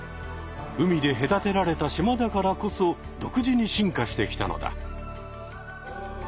海でへだてられた島だからこそ独自に進化してきたのだ。